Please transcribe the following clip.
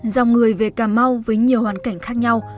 dòng người về cà mau với nhiều hoàn cảnh khác nhau